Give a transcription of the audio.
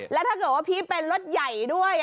แล้วถ้าเกิดว่าพี่เป็นรถใหญ่ด้วย